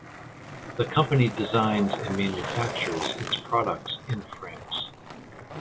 The company designs and manufactures its products in France.